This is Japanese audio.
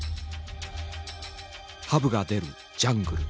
ハブが出るジャングル。